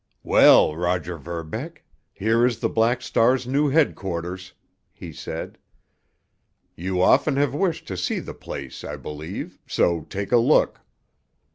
"Well, Roger Verbeck, here is the Black Star's new headquarters," he said. "You often have wished to see the place, I believe, so take a look.